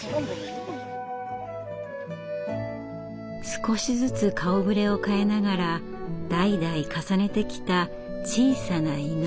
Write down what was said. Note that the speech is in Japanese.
少しずつ顔ぶれを変えながら代々重ねてきた小さな祈り。